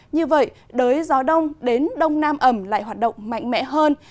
như vậy đới gió đông đến đông nam ẩm lại hoạt động mạnh mẽ hơn